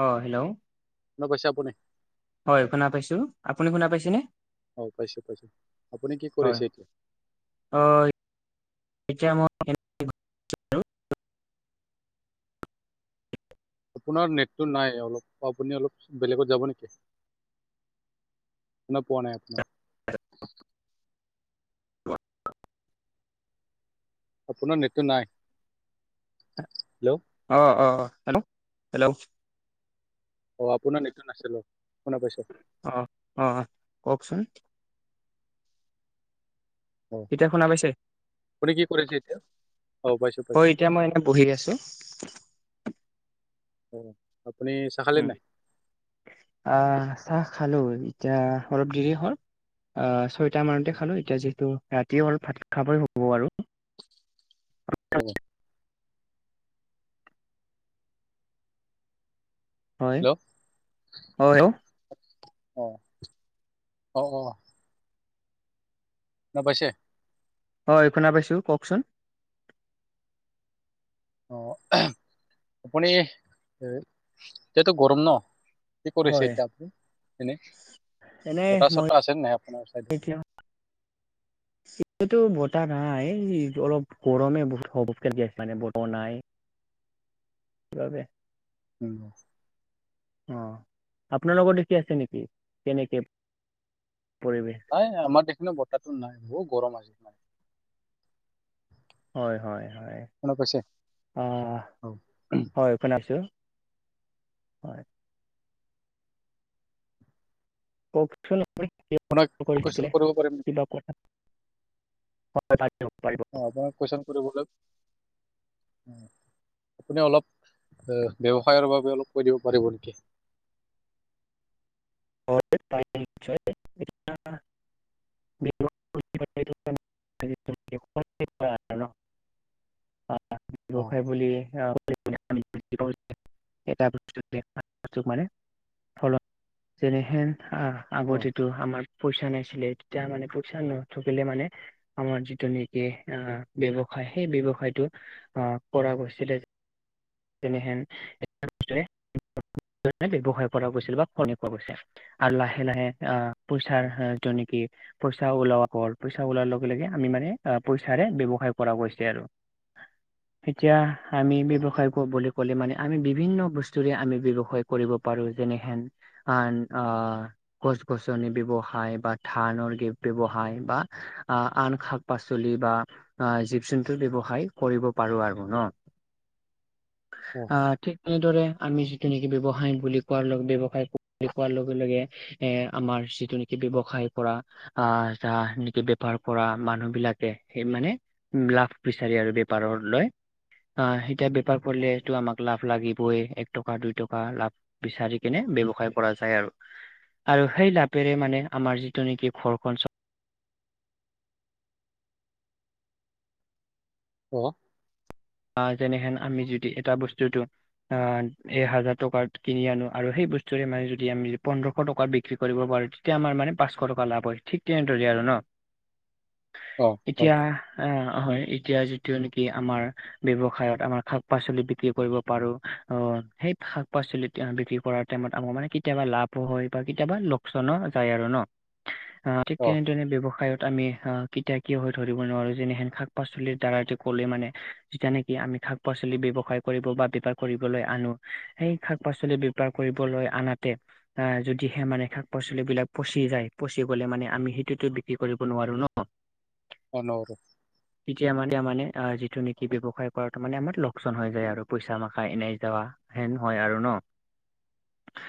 অ, hello, ন কৈছে আপুনি? হয় শুনা পাইছো আপুনি শুনা পাইছেনে? অ পাইছো-পাইছো আপুনি কি হয় কৰিছে এতিয়া? অ, এতিয়া মই আপোনাৰ নেটটো নাই অলপ আপুনি অলপ বেলেগত যাব নেকি? না পোৱা নাই আপোনাৰ আপোনাৰ নেতটো নাই হেল্ল', অ', অ', হেল্ল', -হেল্ল', অ, আপোনাৰ নেতটো টো নাছিলে কোনে কইছে। অ', অ', কওকচোন। অ এতিয়া শুনা পাইছে আপুনি কি কৰিছে এতিয়া? অ পাইছো পাইছো। হয় এতিয়া মই এনেই বহি আছো। অ, আপনি উম, আহ চাহ খালো এতিয়া অলপ দেৰি হ'ল অ, চ এটা মানতে খালো এতিয়া যিহেতু ৰাতি অলপ ভাত খাবই হ'ব আৰু। হ'ব। হয় - হয়। অ', অ', অ', শুনা পাইছে। হয় এই শুনা পাইছো কওকচোন। অ, এ হে আপুনি যেতু গৰম ন। কি কৰিছে হয় এতিয়া আপুনি এনেই এনে বটা মই চটা আছে নাই আপোনাৰ ছাইডত। এতিয়াটো বতাহ নাই অলপ গৰমে বহুত সবক গ আছে মানে বতাহ নাই। [inaudible] যাবে। উম। অ, আপোনাৰ লগত দেখি আছে নেকি কেনেকে পৰিৱেশ। নাই আমাৰ দেখি বতাহো নাই বহুত গৰম আছে মানে। হয় হয় হয়। শুনা পাইছে? অ, অ হয় শুনা পাইছোঁ হয়। কওকচোন আপুনি কিয় আপোনাক ফোন কুৱেশন কৰিছিলে কৰিব পাৰিম নেকি? কিবা কথা [inaudible] পাৰিব। অ আপোনাক কুৱেচন শুধিবলে। উম আপুনি অলপ ব্যৱসায়ৰ বাবে অলপ কৈ দিব পাৰিব নিকি? অ পাৰিম নিশ্চয়। অ। [inaudible] অ ব্যৱসায় বুলি আহ এটাস্তস [inaudible] মানে। ফলত যেনেহেন অ আগতেটো আমাৰ পইচা নাছিলে এতিয়া মানে পইচা নাথাকিলে মানে আমাৰ যিটো নেকি আহ ব্যৱসায় সেই ব্যৱসায়টো আহ কৰা গৈছিলে। তেনেহেন ব্যৱসায় কৰা গৈছিল বা ফনি পোৱা গৈছিল। আৰু লাহে - লাহে আহ পুইচাৰ অ য নিকি পইচা ওলোৱাৰ পইচা ওলোৱাৰ লগে - লগে আমি মানে পইচাৰে ব্যৱসায় কৰা গৈছে আৰু। [inaudible] এতিয়া আমি অ ব্যৱসায় বুলি ক'লে মানে আমি বিভিন্ন বস্তুৰে আমি ব্যৱসায় কৰিব পাৰো যেনেহেন আন আহ। গছ- গছনি, ব্যৱসায় বা ধানৰ ব্যৱসায় বা আহ আন খা শাক- পাচলি বা অ জীৱ -জন্তুৰ ব্যৱসায় কৰিব পাৰোঁ আৰু ন। আ ঠিক তেনেদৰে আমি যি তে নেকি ব্যৱসায় বুলি কোৱাৰ লগ ব্যৱসায় বুলি কোৱাৰ লগে - লগে এ আমাৰ যিটো নেকি ব্যৱসায় পৰা আহ যা নেকি বেপাৰ কৰা মানুহবিলাকে সেই মানে উম লাভ বিচাৰি আৰু বেপাৰৰ লৈ আহ এতিয়া বি কৰিলে এইটো আমাক লাভ লাগিবই। এ টকা, দুই টকা লাভ বিচাৰি কেনে ব্যৱসায় কৰা যায় আৰু। আৰু সেই লাপেৰে মানে আমাৰ যিটো নেকি ঘৰখন চ উহো আহ যেনেহেন আমি যদি এটা বস্তুটো অ এ হাজাৰ টকাত কিনি আনো আৰু সেই বস্তুৰে মানে যদি আমি পোন্ধৰশ টকাত বিক্ৰী কৰিব পাৰোঁ। তেতিয়া আমাৰ মানে পাঁচশ টকা লাভ হয়, ঠিক তেনেদৰে আৰু ন। অ। হয় এতিয়া আহ হয় এতিয়া যিটো নেকি আমাৰ ব্যৱসায়ত আমাৰ শাক-পাচলি বিক্ৰী কৰিব পাৰোঁ, অ সেই শাক- পাচলিত বিক্ৰী কৰা টাইমত আমাৰ মানে কেতিয়াবা লাভো হয় বা কেতিয়াবা লোকচানো যায় আৰু ন। অ ঠিক তেনেদৰে ব্যৱসায়ত তা আমি আহ কেতিয়া কিয় হৈ ধৰিব নোৱাৰোঁ যেনেহেন শাক-পাচলিৰ দ্বাৰা যে ক'লে মানে যিতিয়া নেকি আমি শাক-পাচলি ব্যৱসায় কৰিব বা বেপাৰ কৰিবলৈ আনো সেই শাক- পাচলি পাৰ কৰিবলৈ আনাতে আহ যদিহে মানে শাক-পাচলি বিলাক পচি যায়, পচি গলে মানে আমি সেইটোতো বিক্ৰী কৰিব নোৱাৰো ন। অ ন আৰু। তেতিয়া মানে মানে যিটো কি ব্যৱসায় কৰা তাৰ মানে আমাৰ লোকচান হৈ যায় আৰু পইচা মাখা এনে যাৱা হেন হয় আৰু ন। [unintelligible]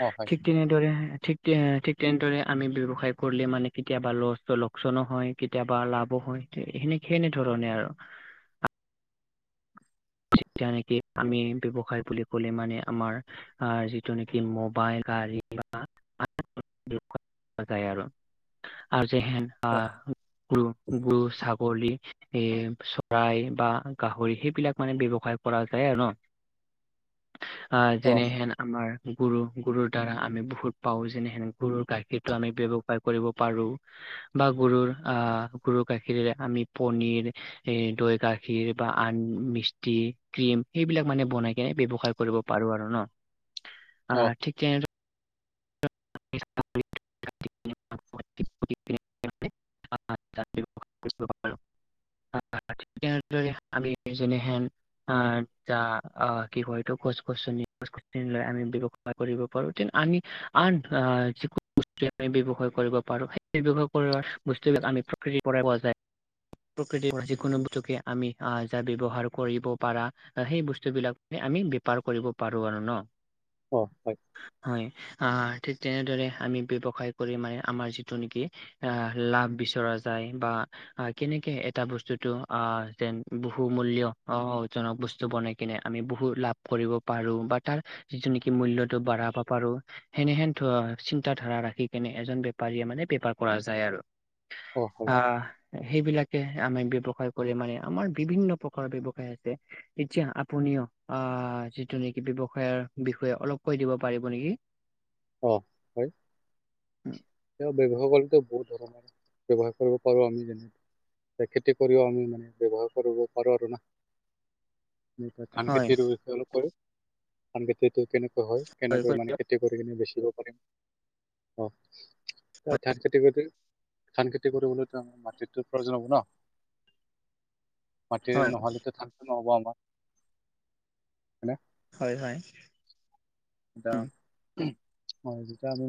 অ হয় ঠিক তেনে ৰে ঠিক তেনেদৰে ঠিক তেনেদৰে আমি ব্যৱসায় কৰিলে মানে কেতিয়াবা লল লোকচানো হয় কেতিয়াবা লাভো হয় সেনে সেনেধৰণে আৰু। ঠিক তেনেকে আমি ব্যৱসায় বুলি ক'লে মানে আমাৰ আ আৰু যিটো নেকি মোবাইল গাড়ী বা [unintelligible] যাই আৰু আৰু অ [unintelligible] গৰু গৰু ছাগলী এ চৰাই বা গাহৰি সেইবিলাক মানে ব্যৱসায় কৰা যায় আৰু ন, আহ অ যেনেহেন আমাৰ গৰু গৰুৰ দ্বাৰা আমি বহুত পাও যেনে হেন গৰুৰ গাখীৰটো আমি ব্যৱসায় কৰিব পাৰোঁ। বা গৰুৰ আহ গৰুৰ গাখীৰৰে আমি পনিৰ এই দৈ গাখীৰ বা আন মিষ্ট টি ক্ৰীম সেইবিলাক মানে বনাই কেনে ব্যৱসায় কৰিব পাৰোঁ আৰু ন, অ ঠিক তেনেদৰে [unintelligible] [inaudible] [unintelligible] আমি যেনেহন আ যা অ কি কয় এইটো গছ গছনি খোজি [inaudible] কৰিব পাৰোঁ তেন্ত আমি আন আহ যিকোনো বস্তু আমি ব্যৱসায় কৰিব পাৰোঁ সেই ব্যয়ৱসায় কৰা বস্তুবিলাক আমি [unintelligible] প্ৰকৃতিৰ যিকোনো বস্তুকে আমি আহ যা ব্যয়ৱসায় কৰিব পাৰা। সেই বস্তু বিলাক আমি বেপাৰ কৰিব পাৰোঁ আৰু ন। অ হয়। হয় আহ ঠিক তেনেদৰে আমি ব্যৱসায় কৰি মানে আমাৰ যিটো নেকি। আহ লাভ বিচৰা যায় বা। অ কেনেকে এটা বস্তুতো অ যেন বহু মূল্য অ জনক বস্তু বনাই। কিনে আমি বহু লাভ কৰিব পাৰোঁ বা তাৰ যিটো নেকি মূল্যটো বাঢ়াব পাৰোঁ। সেনেহেন ধ চিন্তা ধাৰা ৰাখি কিনে এজন বেপাৰীয়ে মানে বেপাৰ কৰা যায় আৰু। অ হয় আহ সেইবিলাকে আমি ব্যয়ৱসায় কৰে মানে আমাৰ বিভিন্ন প্ৰকাৰৰ ব্যৱসায় আছে। এতিয়া আপুনিও আহ যিটো নেকি ব্যৱসায়ৰ বিষয়ে অলপ কৈ দিব পাৰিব নেকি? অ' উম এয়া ব্যৱহাৰ কৰেতো বহুত ধৰণৰ ব্যৱহাৰ কৰিব পাৰো আমি যেনে- খেতি কৰিও আমি মানে ব্যৱহাৰ কৰিব পাৰো আৰু না। ধান হয় খেতিৰো বিষয়ে অলপ ধান খেতিটো কেনেকা হয় কেনেকৈ মানে খেতি- কৰি কিনে বেচিব পাৰিম। অ ধান খেতি কৰি- ধান খেতি কৰিবলৈতো আমাৰ মাটিতো প্ৰয়োজন হ'ব ন। মাটিৰ হয় নহলেটো ধানটো নহ'ব আমাৰ। হয় হয়। এয়া উম হয় যেতিয়া আমি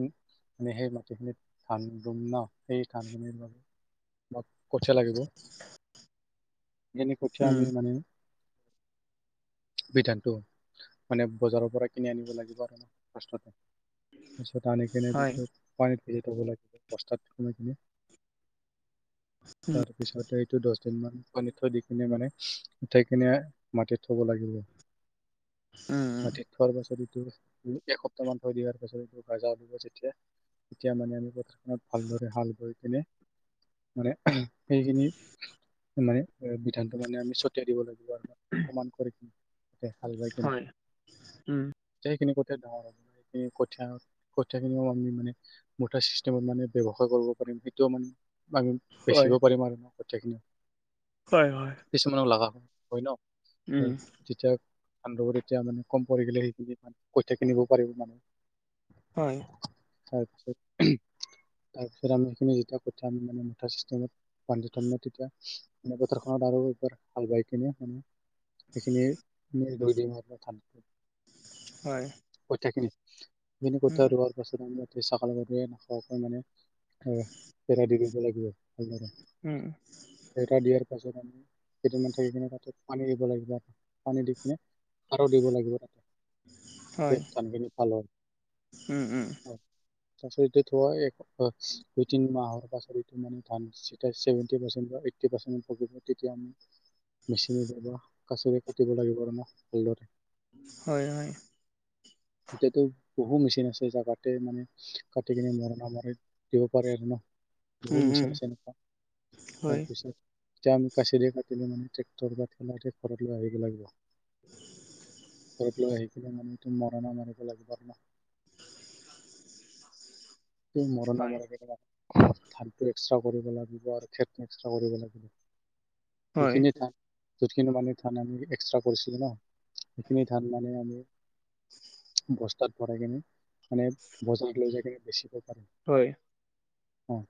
সে- যিখিনি ধান ৰুম ন সেই ধানখিনিৰ বাবে- আমাক কঠীয়া লাগিব। যেনে কঠিয়া উম আমি মানে- বিধানটো মানে বজাৰৰ পৰা কিনি আনিব লাগিব আৰু ফাৰ্ষ্টতে। তাৰপিছত আনি কিনে হয় সেইটো পানীত ভিজাই থব লাগিব বস্তাত সোমাই কিনে। উম তাৰপিছত এইটো দচ- পানীত থৈ দি কিনে মানে, উঠাই কিনে মাটিত থ'ব লাগিব। উম উম মাটিত থোৱাৰ পাছত এইটো এসপ্তাহ মান থৈ দিয়াৰ পাছত এইটো গাজা ওলাব যেতিয়া তেতিয়া মানে আমি পথাৰখনত ভালদৰে হাল বৈ কিনে মানে সেইখিনি মানে দি ধানটো মানে আমি ছটিয়াই দিব লাগিব আৰু। সমান কৰি কিনে, তাতে হাল বাই কিনে। হয় উম সেইখিনি কঠীয়া ডাঙৰ হয়, উম, কঠীয়া- কঠীয়া খিনিও আমি মানে মুঠা চিষ্টেমত মানে ব্যৱসায় কৰিব পাৰিম, সেইটোও মানে আমি হয় বেচিব পাৰিম আৰু। কঠিয়া খিনি। হয়-হয়। কিছুমানক লগা হয় ন, যেতিয়া [unintelligible] এতিয়া মানে কম পৰি গ'লে সেইখিনি কঠিয়া কিনিব পাৰিব মানে। হয়। তাৰপিছত-তাৰপিছত আমি সেইখিনি যেতিয়া কঠিয়া আনি মানে মুঠা চিষ্টেমত বান্ধি থ'ম ন তেতিয়া, মানে পথাৰখনত আৰু এইবাৰ হাল বাই কিনে মানে সেইখিনি [unintelligible] হয়। কঠিয়াখিনি, সেইখিনি উম কঠিয়া ৰোৱাৰ পাছত তাৰমানে [unintelligible] উম। [unintelligible] দিয়াৰ পাছত আমি কেইদিনমান থাকি কিনে তাতে পানী দিব লাগিব আৰু পানী দি কিনে সাৰো দিব লাগিব, হয় তেতিয়া কামখিনি ভাল হয়। উম, উম। হয়, [unintelligible] দুই তিনি মাহ হোৱাৰ পাছত ৰুই কিনে ধান ছেভেনতি পাৰচেণ্ট বা এইটতি পাৰ্চেন্ট তেতিয়া আমি মেচিনে বা কাচৰে কাটিব লাগিব আমাক ভালদৰে হয়-হয়। এতিয়াতো বহু মেচিন আছে, যা কাতে মানে কাটি কিনে মৰনা মাৰে দিব পাৰে আৰু ন, বহুত উম উম মেচিন আছে এনেকা, হয় তাৰপিছত তেতিয়া আমি কাচিৰে কাটিলে মানে ট্ৰেক্টৰ বা ঠেলা দিয়ে ঘৰত লৈ আহিব লাগিব। [inaudible] ঘৰত লৈ আহিছিলে মানে মৰণা মাৰিব লাগিব আৰু না। [unintelligible] হয় ধানটো এক্সট্ৰা কৰিব লাগিব আৰু [unintelligible] এক্সট্ৰা কৰিব লাগিব। হয় সেইখিনি ধান যোনখিনি মানে ধান আমি এক্সট্ৰা কৰিছিলোঁ ন, সেইখিনি ধান মানে আমি বস্তাত ভৰাই কিনে মানে, বজাৰত লৈ যাই কিনে বেচিব পাৰে। হয়। অ',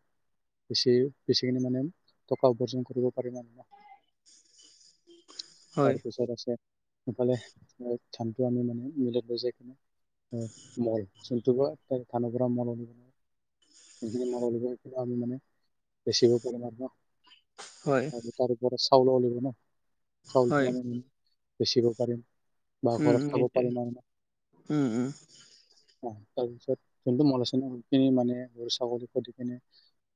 বেছি বেছিকে মানে টকা উপাৰ্জন কৰিব পাৰি মানে ন। তাৰপিছত আছে সেইফালে ধানটো আমি মানে মিলত লৈ যাই কিনে [unintelligible] সেইখিনি [unintelligible] আমি মানে বেচিব পাৰিম আৰু ন। হয়। আৰু তাৰওপৰত চাউলও লাগিব ন, হয় চাউলটো আমি বেচিব পাৰিম। বা উম উম ঘৰত খাব নিশ্চয় পাৰিম আৰু ন। উম উম অ', তাৰ পিছত যোনটো মল আছে ন, সেইখিনি মানে ছাগলীকো দি কিনে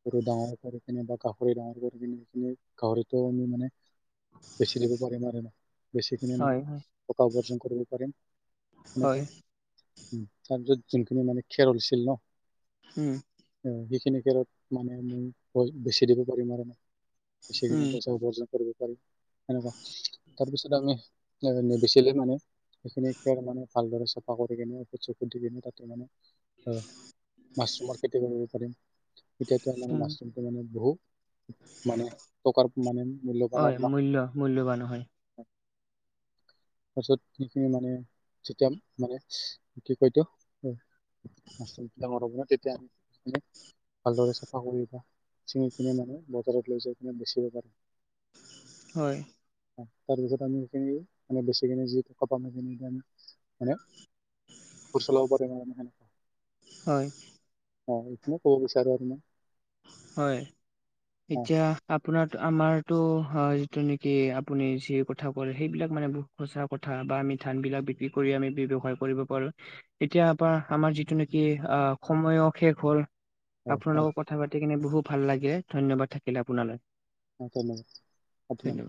গৰু ডাঙৰ কৰি কিনে বা গাহৰি ডাঙৰ কৰি কিনে [unintelligible] গাহৰিটো আমি মানে বেছি [unintelligible] বেছি কিনে হয় মানে হয় টকা উপাৰ্জন কৰিব পাৰিম হয় সেনেকুৱা। উম, তাৰ পিছত যোনখিনি মানে খেৰ হৈছিল না হম। অ', সেইখিনি খেৰত মানে [unintelligible] বেচি দিব পাৰিম আৰু ন। সেইখিনি উম পইচা উপাৰ্জন কৰিব পাৰি, তেনেকুৱা। তাৰপিছত আমি, নে নেবেচিলে মানে সেইখিনি খেৰ মানে ভালদৰে চফা কৰি কিনে ওপ চকুত দি কিনে তাতে মানে অ মাছৰুমৰ খেতি কৰিব পাৰিম এতিয়াতো আ উম মাছৰুমটো মানে বহু মানে টকাৰ মানে মূল্যবান আৰু ন। মূল্যবান হয়। হয়। পাছত সেইখিনি মানে চতিয়াম মানে কি কয় এটো মাছৰুমটো ডাঙৰ হব ন তেতিয়া আনি ভালদৰে চাফা কৰি চিঙি কিনে মানে বজাৰত লৈ যাই কিনে বেচিব পাৰিম। হয়। তাৰপিছত আমি এই খিনি মানে বেচি কিনে যি টকা সেইখিনি আমি মানে ঘৰ চলাব পাৰিম আৰু হয় নাই। হয়। অ এইখিনে ক'ব বিচাৰো আৰু মই। হয়, অ', এতিয়া আপোনাৰ আমাৰ টো হয়, যিটো নেকি আপুনি যি কথা ক'লে সেইবিলাক মানে সচা কথা বা আমি ধান বিলাক বিক্ৰী কৰি আমি ব্যৱসায় কৰিব পাৰো। এতিয়া পা আমাৰ যিটো নেকি আহ সময়ো শেষ হ'ল। হয়, আপোনাৰ হয়, লগত কথা পাতি কিনে বহুত ভাল লাগে। ধন্যবাদ থাকিলে আপোনালৈ। অ ধন্যবাদ আপোনালৈ। ধন্যবাদ।